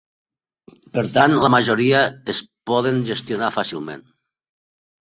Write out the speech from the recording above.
Per tant, la majoria es poden gestionar fàcilment.